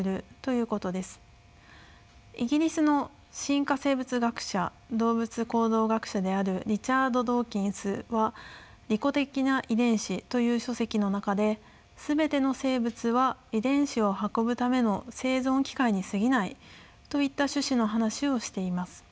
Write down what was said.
イギリスの進化生物学者動物行動学者であるリチャード・ドーキンスは「利己的な遺伝子」という書籍の中で「全ての生物は遺伝子を運ぶための生存機械にすぎない」といった趣旨の話をしています。